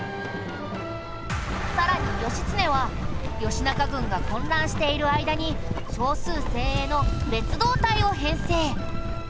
さらに義経は義仲軍が混乱している間に少数精鋭の別動隊を編成。